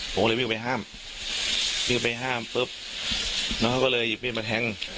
ผมก็เลยวิ่งไปห้ามวิ่งไปห้ามปุ๊บน้องเขาก็เลยหยิบมีดมาแทง